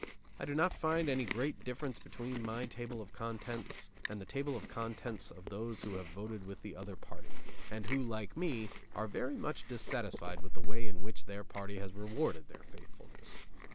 I do not find any great difference between my table of contents and the table of contents of those who have voted with the other party, and who, like me, are very much dissatisfied with the way in which their party has rewarded their faithfulness.